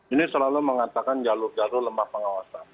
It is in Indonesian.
ini selalu mengatakan jalur jalur lemah pengawasan